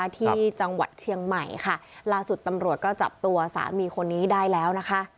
ที่จังหวัดเชียงใหม่ค่ะล่าสุดตำรวจก็จับตัวสามีคนนี้ได้แล้วนะคะ